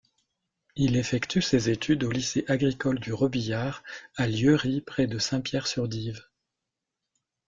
Il effectue ses études au lycée agricole du Robillard, à Lieury, près de Saint-Pierre-sur-Dives.